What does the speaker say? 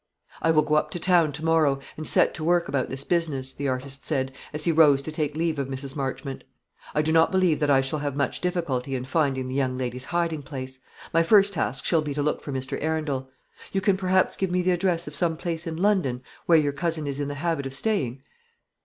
"I will go up to Town to morrow, and set to work about this business," the artist said, as he rose to take leave of Mrs. Marchmont. "I do not believe that I shall have much difficulty in finding the young lady's hiding place. My first task shall be to look for Mr. Arundel. You can perhaps give me the address of some place in London where your cousin is in the habit of staying?"